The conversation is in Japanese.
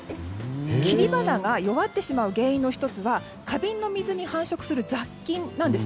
切り花が弱ってしまう原因の１つは花瓶の水に繁殖する雑菌なんです。